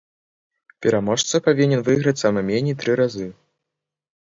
Пераможца павінен выйграць сама меней тры разы.